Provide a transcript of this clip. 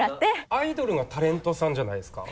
アイドルがタレントさんじゃないですか？